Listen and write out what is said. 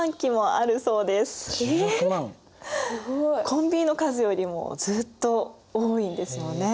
コンビニの数よりもずっと多いんですよね。